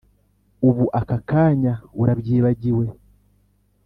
ubu aka kanya urabyibagiwe!